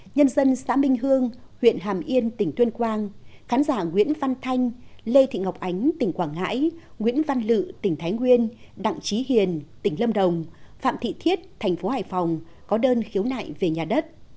nhân dân xã minh hương huyện hàm yên tỉnh tuyên quang khán giả nguyễn văn thanh lê thị ngọc ánh tỉnh quảng ngãi nguyễn văn lự tỉnh thái nguyên đặng trí hiền tỉnh lâm đồng phạm thị thiết thành phố hải phòng có đơn khiếu nại về nhà đất